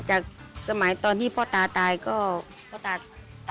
คิกคิกคิกคิกคิกคิกคิกคิก